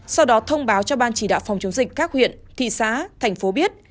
sau đó thông báo cho ban chỉ đạo phòng chống dịch các huyện thị xã thành phố biết